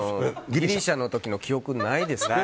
ギリシャの時の記憶ないですから。